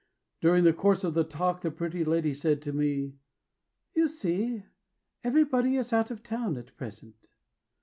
During the course of the talk The pretty lady said to me, "You see, Everybody is out of town At present."